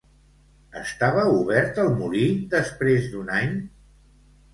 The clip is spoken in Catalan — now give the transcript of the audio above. Estava obert el molí després d'un any?